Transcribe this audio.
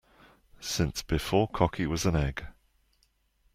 Since before cocky was an egg.